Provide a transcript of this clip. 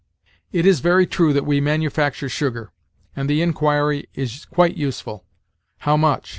"It is very true that we manufacture sugar, and the inquiry is quite useful, how much?